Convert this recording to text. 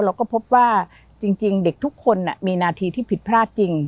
เราก็พบว่าจริงเด็กทุกคนมีนาทีที่ผิดพลาดจริง